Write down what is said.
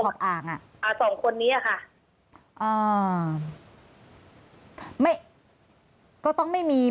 ก็ไม่ต้องไม่มีเลือดตบยางออกอะไรเนอะ